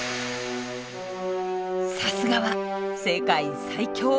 さすがは「世界最強」。